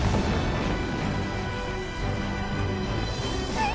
えっ⁉